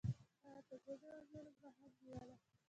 هغه د بدو عواملو مخه نیوله.